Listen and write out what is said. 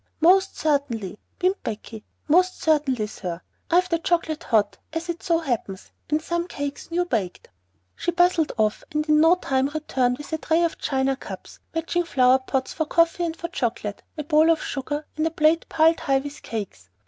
"Most certainly," beamed Becky, "most certainly sir. I have the chocolate hot, as it so happens, and some cakes new baked." She bustled off and in no time returned with a tray of china cups, matching flowered pots for coffee and for chocolate, a bowl of sugar, and a plate piled high with cakes.